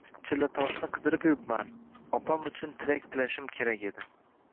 Chillatoshni qidirib yuribman, opam uchun tilak tilashim kerak edi